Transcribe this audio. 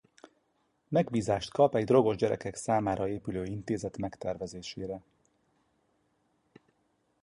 Megbízást kap egy drogos gyerekek számára épülő intézet megtervezésére.